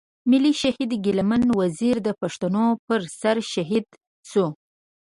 ملي شهيد ګيله من وزير د پښتنو پر سر شهيد شو.